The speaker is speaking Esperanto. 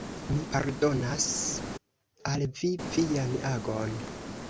Mi pardonas al vi vian agon.